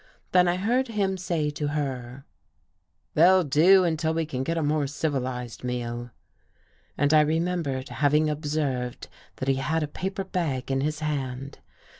Then I heard him say to her: "They'll do until we can get a more civilized meal," and I remembered having ob served that he had a paper bag in his hand.